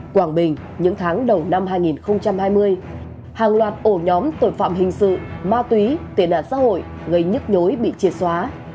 quảng bình những tháng đầu năm hai nghìn hai mươi hàng loạt ổ nhóm tội phạm hình sự ma túy tiền nạn xã hội gây nhức nhối bị triệt xóa